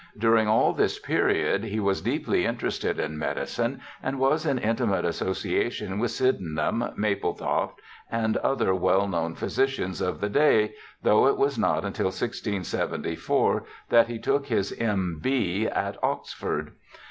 During all this period he was deeply interested in medicine, and was in intimate association with Sydenham, Mapletoft, and other well known physicians of the day, though it was not until 1674 that he took his M.B. at Oxford.